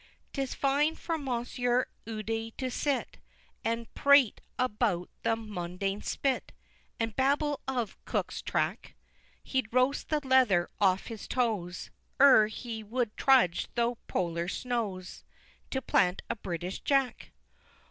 VIII. 'Tis fine for Monsieur Ude to sit, And prate about the mundane spit, And babble of Cook's track He'd roast the leather off his toes, Ere he would trudge thro' polar snows, To plant a British Jack!